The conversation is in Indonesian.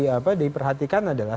apa diperhatikan adalah